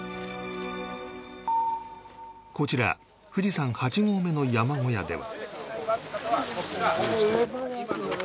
こちら富士山８合目の山小屋では